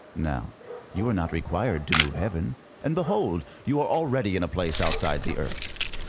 Now, you are not required to move heaven, and behold, you are already in a place outside the earth.